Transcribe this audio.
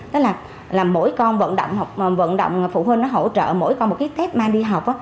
đó là mỗi con vận động phụ huynh nó hỗ trợ mỗi con một cái test mang đi học